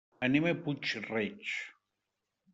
Anem a Puig-reig.